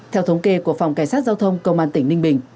theo thống kê của phòng cảnh sát giao thông công an tỉnh ninh bình